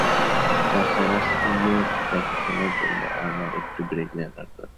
তাছাড়া সুমোর দেখাশোনার জন্য আমার একটু ব্রেক নেয়া দরকার।